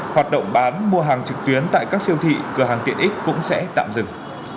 hoạt động bán mua hàng trực tuyến tại các siêu thị cửa hàng tiện ích cũng sẽ tạm dừng